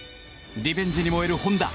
リベンジに燃える本多。